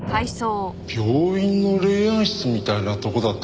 病院の霊安室みたいなとこだったかな。